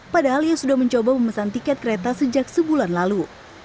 padahal ia sudah mencoba memesan tiket kereta sejak sebulan lalu